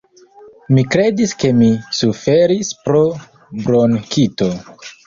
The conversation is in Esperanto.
Mi kredis ke mi suferis pro bronkito!